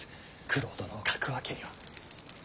九郎殿を欠くわけには。